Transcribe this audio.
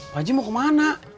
pak haji mau kemana